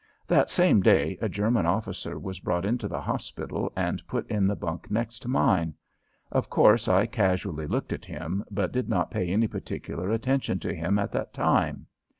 That same day a German officer was brought into the hospital and put in the bunk next to mine. Of course, I casually looked at him, but did not pay any particular attention to him at that time.